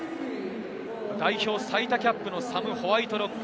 代表最多キャップのサム・ホワイトロック。